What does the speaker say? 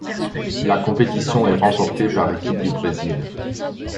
La compétition est remportée par l'équipe du Brésil.